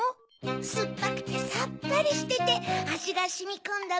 すっぱくてさっぱりしててあじがしみこんだ